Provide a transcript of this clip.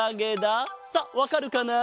さあわかるかな？